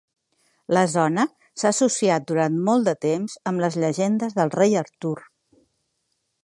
La zona s'ha associat durant molt de temps amb les llegendes del rei Artur.